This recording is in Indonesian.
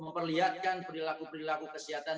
memperlihatkan perilaku perilaku kesehatan